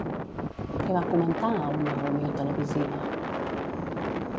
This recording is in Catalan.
Què va comentar a una reunió televisiva?